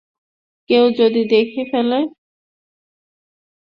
কেউ যদি দেখে ফেলে?